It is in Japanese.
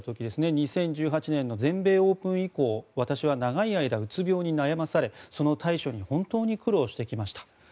２０１８年の全米オープン以降私は長い間うつ病に悩まされその対処に本当に苦労してきました。